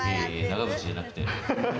長渕じゃなくて。